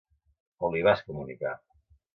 On l'hi vas comunicar?